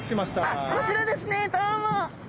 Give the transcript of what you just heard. あっこちらですねどうも。